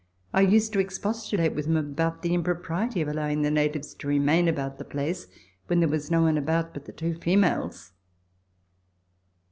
I used to expostulate with them about the impropriety of allowing the natives to remain about the place when there was no one about but the two females.